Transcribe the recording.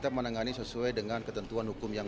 baru dimasukin ke mobil kores